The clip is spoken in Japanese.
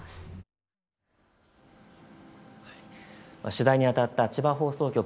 取材にあたった千葉放送局